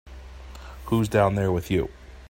Who's down there with you?